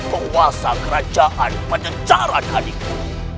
rai trapu siliwangi sang penguasa kerajaan pada jarak adikku